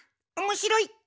おもしろい。